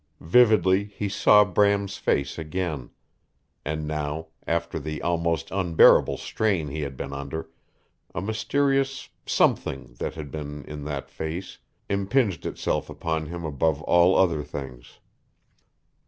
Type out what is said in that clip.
Vividly he saw Bram's face again. And now, after the almost unbearable strain he had been under, a mysterious SOMETHING that had been in that face impinged itself upon him above all other things.